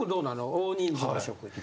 大人数の食事。